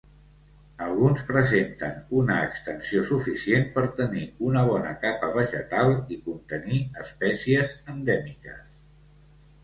Alguns presenten una extensió suficient per tenir una bona capa vegetal i contenir espècies endèmiques.